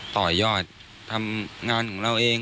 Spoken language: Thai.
ต่อยอดทำงานของเราเอง